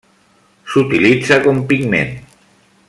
S'utilitza com pigment.